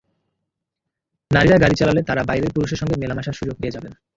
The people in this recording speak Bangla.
নারীরা গাড়ি চালালে তাঁরা বাইরের পুরুষের সঙ্গে মেলামেশার সুযোগ পেয়ে যাবেন।